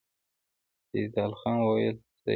سيدال خان وويل: صېب!